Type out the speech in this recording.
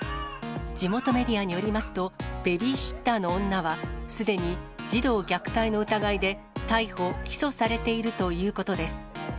地元メディアによりますと、ベビーシッターの女は、すでに児童虐待の疑いで逮捕・起訴されているということです。